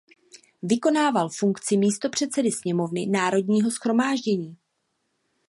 Vykonával funkci místopředsedy sněmovny Národního shromáždění.